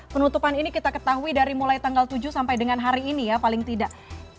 penutupan ini kita ketahui dari mulai tanggal tujuh sampai dengan hari ini ya paling tidak